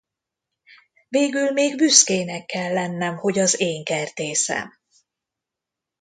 Végül még büszkének kell lennem, hogy az én kertészem!